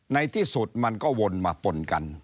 ในที่สุดมันก็วนมาปนกัน